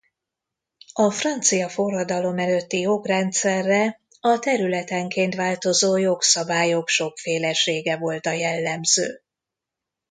A francia forradalom előtti jogrendszerre a területenként változó jogszabályok sokfélesége volt a jellemző.